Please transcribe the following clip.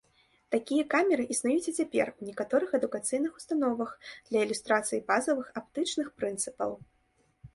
Такія камеры існуюць і цяпер у некаторых адукацыйных установах для ілюстрацыі базавых аптычных прынцыпаў.